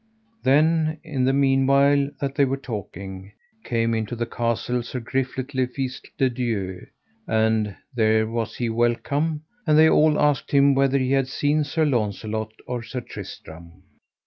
Then in the meanwhile that they were talking came into the castle Sir Griflet le Fise de Dieu, and there was he welcome; and they all asked him whether he had seen Sir Launcelot or Sir Tristram.